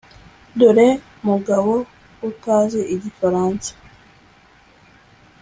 dore mugabo utazi igifaransa